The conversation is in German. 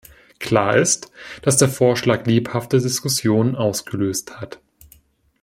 Klar ist, dass der Vorschlag lebhafte Diskussionen ausgelöst hat.